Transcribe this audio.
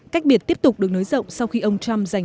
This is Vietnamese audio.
cách biệt tiếp tục được nới rộng sau khi ông trump giành